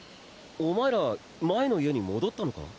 お前ら前の家に戻ったのか？